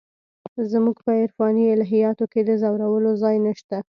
زموږ په عرفاني الهیاتو کې د ځورولو ځای نشته.